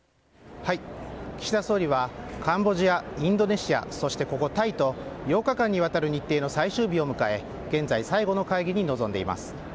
岸田総理はカンボジア、インドネシアそしてここタイと８日間にわたる日程の最終日を迎え現在、最後の会議に臨んでいます。